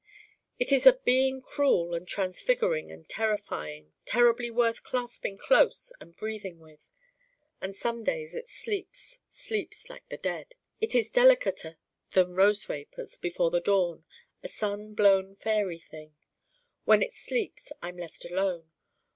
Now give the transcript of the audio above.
It is a being cruel and transfiguring and terrifying: terribly worth clasping close and breathing with. And some days it sleeps, sleeps like the dead: it is delicater than rose vapors before the dawn: a sun blown faëry thing. When it sleeps I'm left alone.